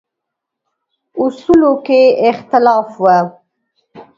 اصولو کې اختلاف و.